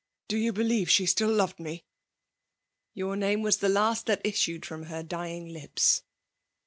Do you brieve she still loved mo?*' " Your name was the last' that issued firon her dying lips."